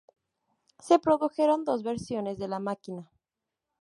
Se produjeron dos versiones de la máquina.